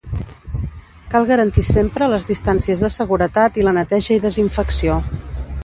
Cal garantir sempre les distàncies de seguretat i la neteja i desinfecció.